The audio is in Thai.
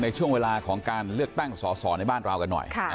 ในช่วงเวลาที่เรียกตั้งโสส่อในบ้านเราแต่หน่อย